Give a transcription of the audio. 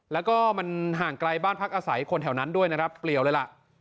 แล้วก็มันห่างไกลบ้านพักอาศัยคนแถวนั้นด้วยนะครับเปลี่ยวเลยล่ะ